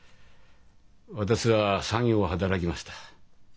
私は詐欺を働きました。